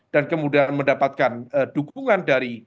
dan kemudian mendapatkan dukungan dari